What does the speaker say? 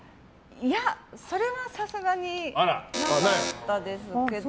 いや、それはさすがになかったですけど。